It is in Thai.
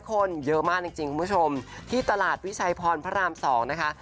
คนเยอะมากจริงคุณผู้ชมที่ตลาดวิชัยพรพระราม๒นะคะ